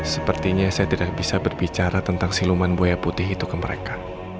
sepertinya saya tidak bisa berbicara tentang siluman buaya putih itu ke mereka